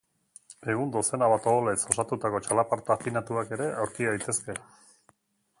Egun dozena bat oholez osatutako txalaparta afinatuak ere aurki daitezke.